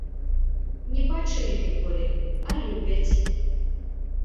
Не бачылі ніколі, а любяць.